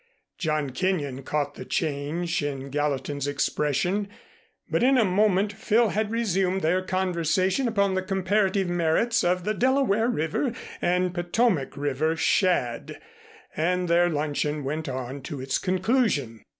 John Kenyon caught the change in Gallatin's expression, but in a moment Phil had resumed their conversation upon the comparative merits of the Delaware River and Potomac River shad, and their luncheon went on to its conclusion.